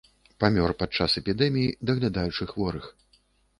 Памёр пад час эпідэміі, даглядаючы хворых.